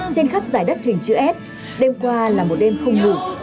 trên khắp giải đất hình chữ s đêm qua là một đêm không ngủ